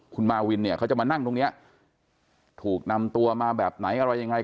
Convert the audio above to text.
คุณมาวินเนี่ยเขาจะมานั่งตรงนี้ถูกนำตัวมาแบบไหนอะไรยังไง